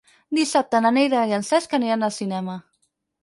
Dissabte na Neida i en Cesc aniran al cinema.